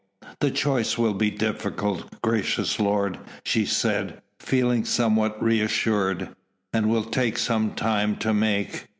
"The choice will be difficult, gracious lord," she said, feeling somewhat reassured, "and will take some time to make."